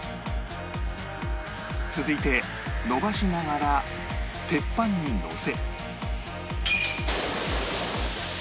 続いて延ばしながら鉄板にのせ